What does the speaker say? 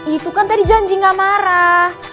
itu kan tadi janji gak marah